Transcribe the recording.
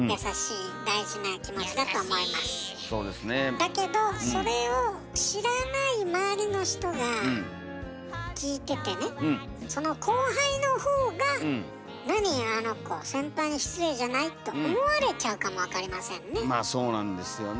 だけどそれを知らない周りの人が聞いててねその後輩のほうが「なにあの子先輩に失礼じゃない？」と思われちゃうかもわかりませんね。